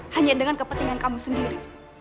hanya dengan kepentingan kamu sendiri